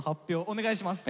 お願いします。